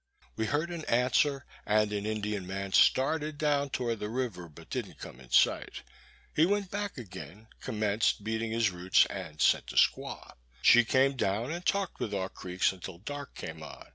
We heard an answer, and an Indian man started down towards the river, but didn't come in sight. He went back and again commenced beating his roots, and sent a squaw. She came down, and talked with our Creeks until dark came on.